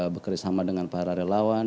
bekerjasama dengan para relawan